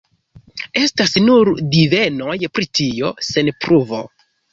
Estas nur divenoj pri tio, sen pruvo.